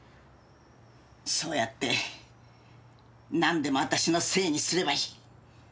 そうやってなんでも私のせいにすればいい。